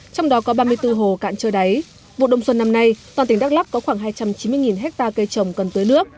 trong đó có ba mươi bốn hồ cạn trơ đáy vụ đông xuân năm nay toàn tỉnh đắk lắc có khoảng hai trăm chín mươi ha cây trồng cần tưới nước